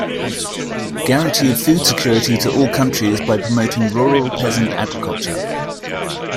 Guarantee of food security to all countries by promoting rural, peasant agriculture.